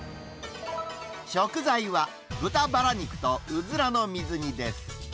食材は豚バラ肉とウズラの水煮です。